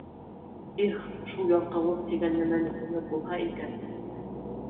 Их, шул ялҡаулыҡ тигән нәмәне еңеп булһа икән!